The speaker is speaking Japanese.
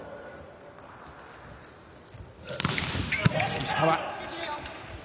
石川。